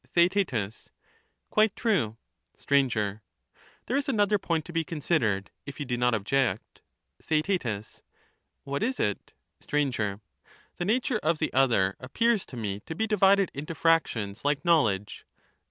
TheaeL Quite true. Str, There is another point to be considered, if you do not object. TheaeL What is it ? Str. The nature of the other appears to me to be divided into fractions like knowledge.